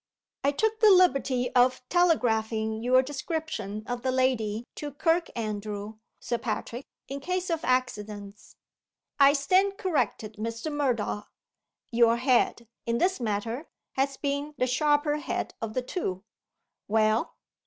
"I took the liberty of telegraphing your description of the lady to Kirkandrew, Sir Patrick, in case of accidents." "I stand corrected, Mr. Murdoch. Your head, in this matter, has been the sharper head of the two. Well?"